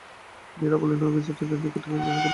মীরা বললেন, ও গিয়েছে টেনের টিকিট কাটতে।